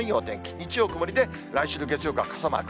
日曜、曇りで、来週の月曜から傘マーク。